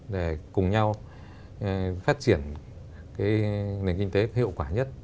để cùng nhau phát triển nền kinh tế hiệu quả nhất